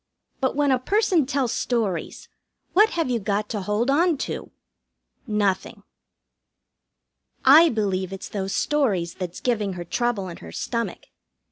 But when a person tells stories, what have you got to hold on to? Nothing. I believe it's those stories that's giving her trouble in her stomach.